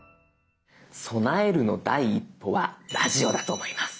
備えるの第一歩はラジオだと思います。